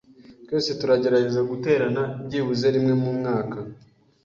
Twese tugerageza guterana byibuze rimwe mumwaka.